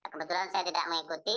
kebetulan saya tidak mengikuti